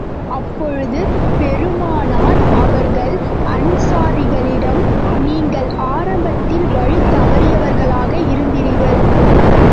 அப்பொழுது, பெருமானார் அவர்கள் அன்ஸாரிகளிடம், நீங்கள் ஆரம்பத்தில் வழி தவறியவர்களாக இருந்தீர்கள்.